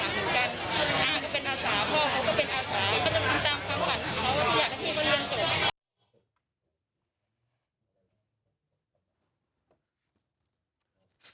ก็ต้องตามความฝันของเขาที่อยากให้พี่ก็เรียนจบ